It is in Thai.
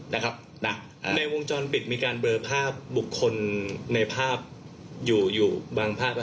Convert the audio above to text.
ในวงจรปิดมีการเบลอภาพบุคคลในภาพอยู่อยู่บางภาพ